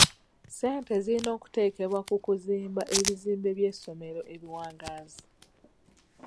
Ssente zirina okuteekebwa ku kuzimba ebizimbe by'essomero ebiwangaazi.